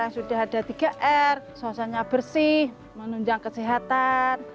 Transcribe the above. sudah ada tiga r suasana bersih menunjang kesehatan